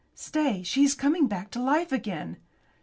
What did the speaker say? Stay, she is coming back to life again!"